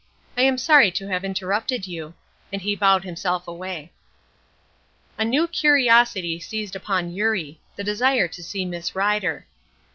I am sorry to have interrupted you," and he bowed himself away. A new curiosity seized upon Eurie the desire to see Miss Rider.